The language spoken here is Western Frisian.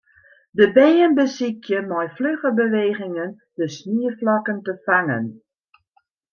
De bern besykje mei flugge bewegingen de snieflokken te fangen.